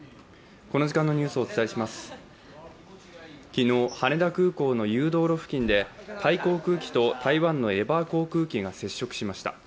昨日、羽田空港の誘導路付近で、タイ航空機と台湾のエバー航空機が接触しました。